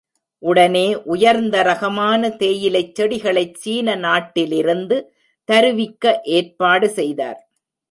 உடனே உயர்ந்த ரகமான தேயிலைச் செடிகளைச் சீன நாட்டிலிருந்து தருவிக்க ஏற்பாடு செய்தார்.